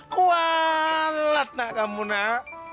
kualat nak kamu nak